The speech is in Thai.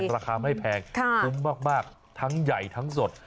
ราคาไม่แพงคุ้มมากทั้งใหญ่ทั้งสด